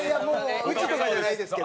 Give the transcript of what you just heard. うちとかじゃないですけど。